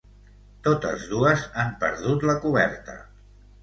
Totes dues han perdut la coberta.